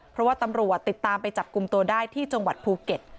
เพราะว่าตำรวจติดตามไปจับกลุ่มตัวได้ที่จังหวัดภูเก็ต